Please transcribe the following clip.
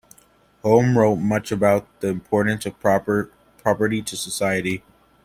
Home wrote much about the importance of property to society.